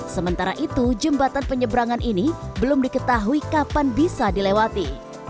sementara itu jembatan penyeberangan ini belum diketahui kapan bisa dilewati